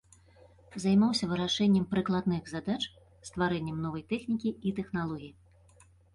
Займаўся вырашэннем прыкладных задач, стварэннем новай тэхнікі і тэхналогій.